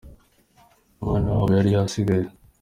umwana wabo yari yasigaye.